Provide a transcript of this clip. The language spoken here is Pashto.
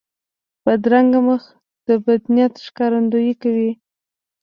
بدرنګه مخ د بد نیت ښکارندویي کوي